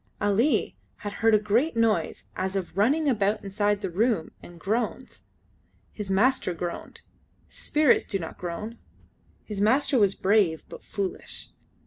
Ali had heard a great noise as of running about inside the room and groans. His master groaned. Spirits do not groan. His master was brave, but foolish.